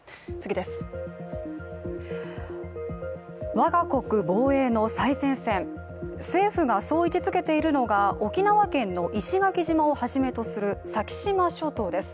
我が国防衛の最前線、政府がそう位置づけているのが、沖縄県の石垣島をはじめとする、先島諸島です。